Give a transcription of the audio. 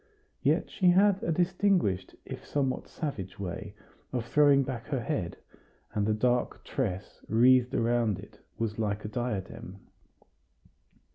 Yet she had a distinguished if somewhat savage way of throwing back her head, and the dark tress wreathed around it was like a diadem.